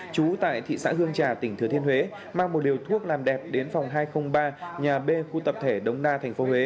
trú tại thị xã hương trà tỉnh thừa thiên huế mang một điều thuốc làm đẹp đến phòng hai trăm linh ba nhà b khu tập thể đông na tp huế